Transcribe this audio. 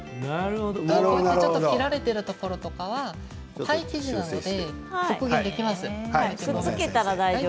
ちょっと切られているところはパイ生地なので復元できますよ。